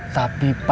tapi pasirnya apa